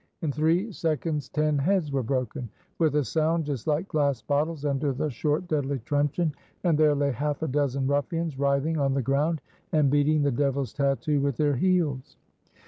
In three seconds ten heads were broken, with a sound just like glass bottles, under the short, deadly truncheon, and there lay half a dozen ruffians writhing on the ground and beating the Devil's tattoo with their heels.